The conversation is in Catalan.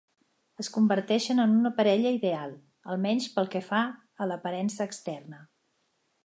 Es converteixen en una parella ideal, almenys pel que fa a l"aparença externa.